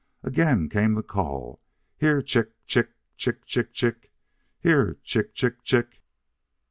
Again came the call: "Here, chick, chick, chick, chick, chick! Here, chick, chick, chick!"